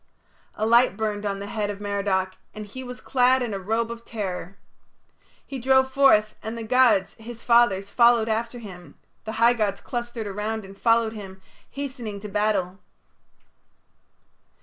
A light burned on the head of Merodach, and he was clad in a robe of terror. He drove forth, and the gods, his fathers, followed after him: the high gods clustered around and followed him, hastening to battle.